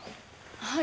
はい。